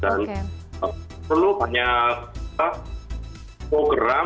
dan perlu banyak program